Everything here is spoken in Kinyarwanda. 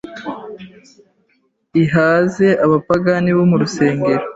ihaze abapagani bo murusengero,